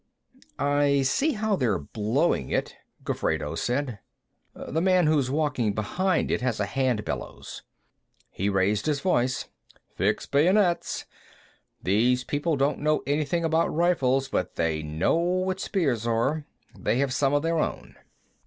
"I see how they're blowing it," Gofredo said. "The man who's walking behind it has a hand bellows." He raised his voice. "Fix bayonets! These people don't know anything about rifles, but they know what spears are. They have some of their own."